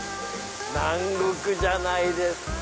南国じゃないですか。